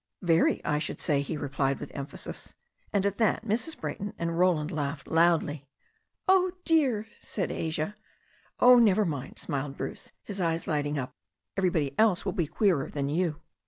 "Very, I should say," he replied with emphasis. And at that Mrs. Brayton and Roland laughed loudly. "Oh, dear," said Asia. "Oh, never mind," smiled Bruce, his eyes lighting up. "Everybody else will be queerer than you."